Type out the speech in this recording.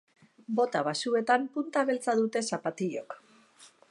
Bota baxuetan, punta beltza dute zapatilok.